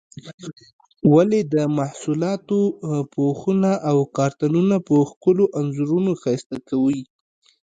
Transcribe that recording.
ولې د محصولاتو پوښونه او کارتنونه په ښکلو انځورونو ښایسته کوي؟